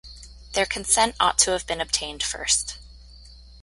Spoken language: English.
Their consent ought to have been obtained first.